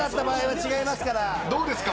どうですか？